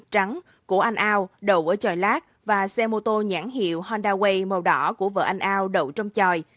trắng của anh ao đậu ở tròi lát và xe mô tô nhãn hiệu honda way màu đỏ của vợ anh ao đậu trong tròi